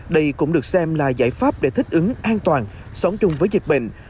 đây cũng được xem là giải pháp để thích ứng an toàn sống chung với dịch bệnh